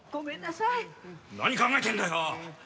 何考えてるんだよ！